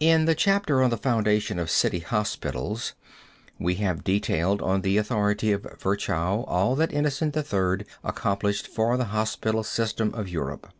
In the chapter on the foundation of City Hospitals we have detailed on the authority of Virchow all that Innocent III. accomplished for the hospital system of Europe.